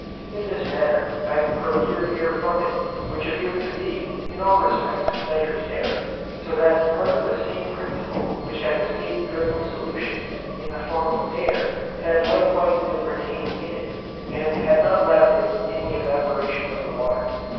In this manner I procured air from it, which appeared to be, in all respects, nitrous air; so that part of the same principle which had escaped during the solution, in the form of air, had likewise been retained in it, and had not left it in the evaporation of the water.